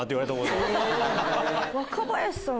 若林さん